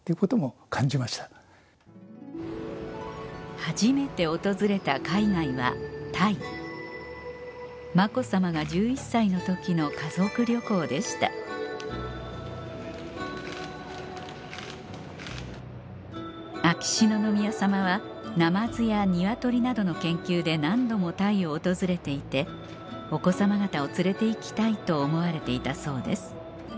初めて訪れた海外はタイ子さまが１１歳の時の家族旅行でした秋篠宮さまはナマズや鶏などの研究で何度もタイを訪れていてお子さま方を連れて行きたいと思われていたそうです